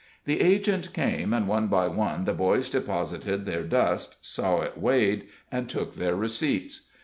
The agent came, and one by one the boys deposited their dust, saw it weighed, and took their receipts.